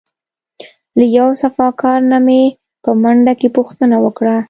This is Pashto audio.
له یو صفاکار نه مې په منډه کې پوښتنه وکړه.